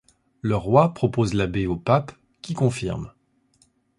Le roi propose l'abbé au pape qui confirme.